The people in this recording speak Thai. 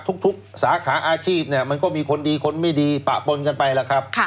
ทุกสาขาอาชีพเนี่ยมันก็มีคนดีคนไม่ดีปะปนกันไปแล้วครับ